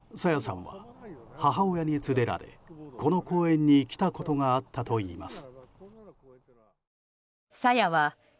家族によりますと朝芽さんは母親に連れられこの公園に来たことがあったといいます。